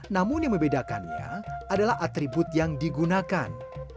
namun yang membedakannya adalah atribut yang digunakan